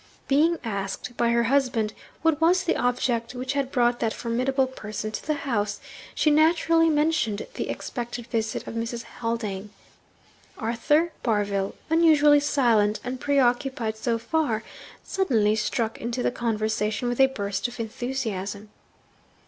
Being asked by her husband what was the object which had brought that formidable person to the house, she naturally mentioned the expected visit of Miss Haldane. Arthur Barville, unusually silent and pre occupied so far, suddenly struck into the conversation with a burst of enthusiasm.